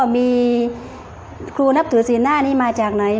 มีครูนับถือศีลหน้านี้มาจากไหน